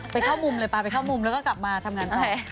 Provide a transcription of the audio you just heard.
ไปเข้ามุมเลยปลาไปเข้ามุมแล้วก็กลับมาทำงานต่อ